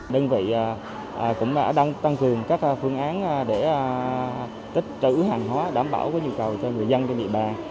đơn vị cũng đã đang tăng cường các phương án để tích trữ hàng hóa đảm bảo nhu cầu cho người dân trên địa bàn